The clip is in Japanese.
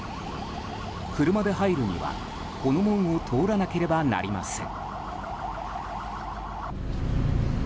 車で入るには、この門を通らなければなりません。